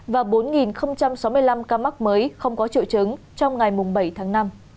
và bốn sáu mươi năm ca mắc mới không có triệu chứng trong ngày bảy tháng năm